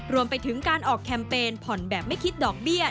รวมไปถึงการออกแคมเปญผ่อนแบบไม่คิดดอกเบี้ย